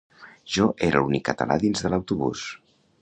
Jo era l'únic català dins de l'autobús